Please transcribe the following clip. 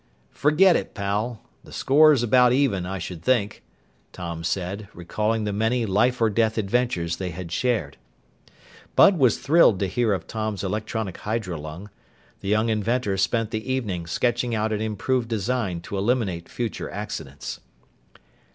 "Forget it, pal. The score's about even, I should think," Tom said, recalling the many life or death adventures they had shared. Bud was thrilled to hear of Tom's electronic hydrolung. The young inventor spent the evening sketching out an improved design to eliminate future accidents.